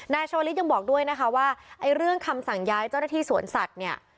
ชาวลิศยังบอกด้วยนะคะว่าไอ้เรื่องคำสั่งย้ายเจ้าหน้าที่สวนสัตว์เนี่ย